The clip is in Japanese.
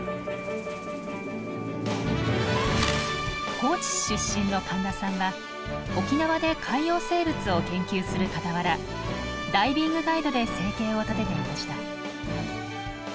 高知市出身の神田さんは沖縄で海洋生物を研究するかたわらダイビングガイドで生計を立てていました。